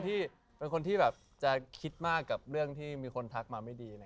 ที่เป็นคนที่แบบจะคิดมากกับเรื่องที่มีคนทักมาไม่ดี